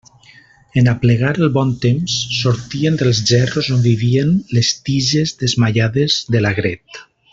En aplegar el bon temps, sortien dels gerros on vivien les tiges desmaiades de l'agret.